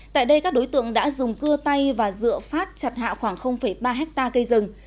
tại đây các đối tượng đã dùng cưa tay và dựa phát chặt hạ khoảng ba hectare cây rừng